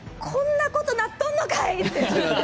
こんなことなっとんのかい！